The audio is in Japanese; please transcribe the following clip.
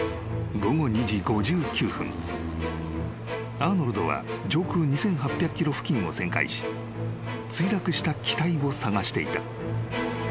［アーノルドは上空２，８００ｋｍ付近を旋回し墜落した機体を捜していた。